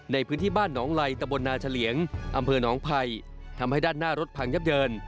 ในพื้นที่บ้านหนองไลตะบนนาเฉลี่ยงอำเภอหนองภัยทำให้ด้านหน้ารถพังยับเยิน